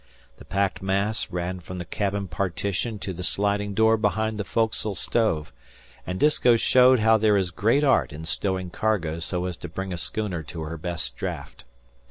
The packed mass ran from the cabin partition to the sliding door behind the foc'sle stove; and Disko showed how there is great art in stowing cargo so as to bring a schooner to her best draft.